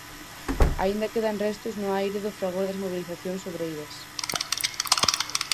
Aínda quedan restos no aire do fragor das mobilizacións obreiras.